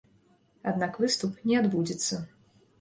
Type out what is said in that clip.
Аднак выступ не адбудзецца.